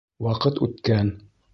Ваҡыт үткән.